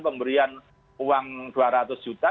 pemberian uang dua ratus juta